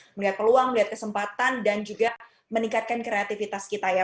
melihat peluang melihat kesempatan dan juga meningkatkan kreativitas kita ya